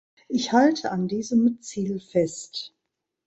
Ich halte an diesem Ziel fest.